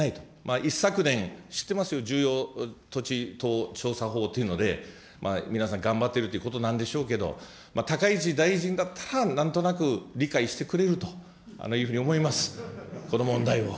一昨年、知ってますよ、重要土地等調査法というので、皆さん頑張っているということなんでしょうけど、高市大臣だったらなんとなく理解してくれるというふうに思います、この問題を。